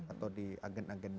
atau di agen agen